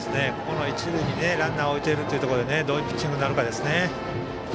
一塁にランナーを置いているということでどういうピッチングになるかです。